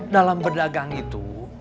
dalam berdagang itu